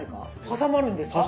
挟まるんですか？